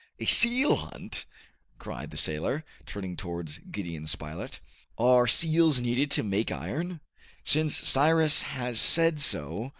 "A seal hunt!" cried the sailor, turning towards Gideon Spilett. "Are seals needed to make iron?" "Since Cyrus has said so!"